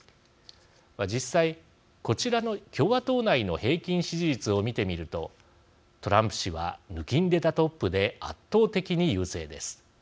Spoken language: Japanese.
実際、こちらの共和党内の平均支持率を見てみるとトランプ氏はぬきんでたトップで圧倒的に優勢です。